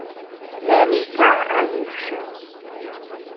Él va a irse.